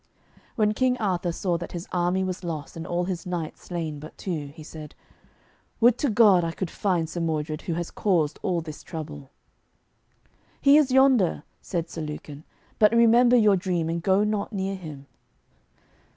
When King Arthur saw that his army was lost and all his knights slain but two, he said, 'Would to God I could find Sir Modred, who has caused all this trouble.' 'He is yonder,' said Sir Lucan, 'but remember your dream, and go not near him.'